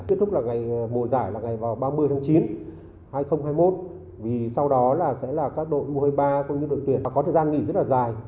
tiết thúc mùa giải là ngày ba mươi tháng chín hai nghìn hai mươi một vì sau đó sẽ là các đội u hai mươi ba cũng như đội tuyển có thời gian nghỉ rất là dài